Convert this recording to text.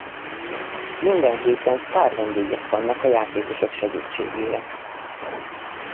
Minden héten sztárvendégek vannak a játékosok segítségére.